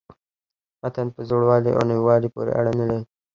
متن په زوړوالي او نویوالي پوري اړه نه لري.